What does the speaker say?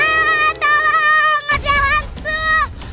aaaa tolong ada hantu